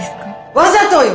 わざとよ！